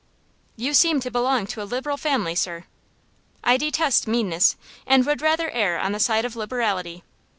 "You seem to belong to a liberal family, sir." "I detest meanness, and would rather err on the side of liberality.